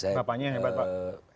bapaknya hebat pak